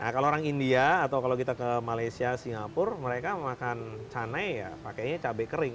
kalau orang india atau kalau kita ke malaysia singapura mereka makan canai ya pakainya cabai kering